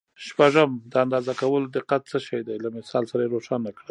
شپږم: د اندازه کولو دقت څه شی دی؟ له مثال سره یې روښانه کړئ.